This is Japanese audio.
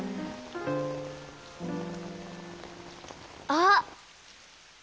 あっ。